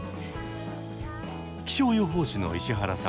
気象予報士の石原さん